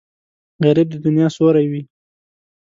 غریب د دنیا سیوری وي